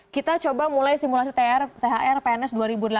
kita coba mulai simulasi thr pns